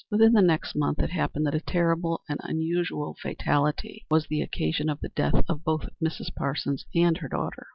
Within the next month it happened that a terrible and unusual fatality was the occasion of the death of both Mrs. Parsons and her daughter.